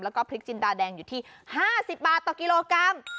แล้วก็พริกจินดาแดงอยู่ที่๕๐บาทต่อกิโลกรัม